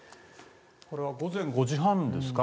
これは午前５時半ですか。